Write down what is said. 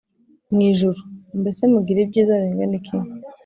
mu ijuru Mbese mugira ibyiza bingana iki